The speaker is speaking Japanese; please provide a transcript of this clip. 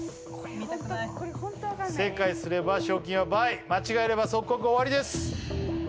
見たくない正解すれば賞金は倍間違えれば即刻終わりです